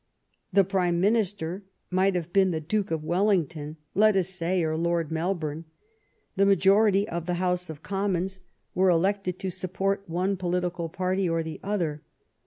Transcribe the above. The Prime Minister might have been the Duke of Wellington, let us say, or Lord Melbourne. The majority of the House of Commons were elected 72 THE STORY OF GLADSTONE'S LIFE to support one political party or the other.